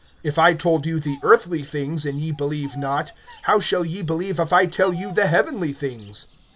(12)If I told you the earthly things, and ye believe not, how shall ye believe, if I tell you the heavenly things?